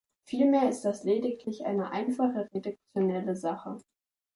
Vielmehr ist das lediglich eine einfache redaktionelle Sache.